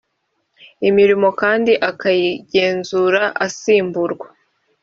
imirimo kandi akayigenzura asimburwa